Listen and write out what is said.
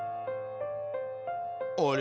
あれ？